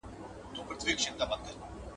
• چي باد نه وي، درخته نه ښوري.